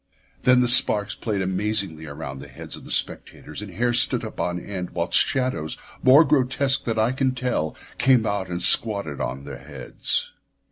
Then the sparks played amazingly around the heads of the spectators, and hair stood up on end whilst shadows more grotesque than I can tell came out and squatted on the heads.